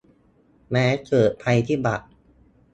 แม้เกิดภัยพิบัติ